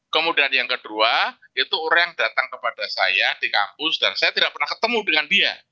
kemudian yang kedua itu orang yang datang kepada saya di kampus dan saya tidak pernah ketemu dengan dia